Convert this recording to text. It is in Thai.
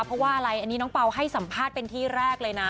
เพราะว่าอะไรอันนี้น้องเปล่าให้สัมภาษณ์เป็นที่แรกเลยนะ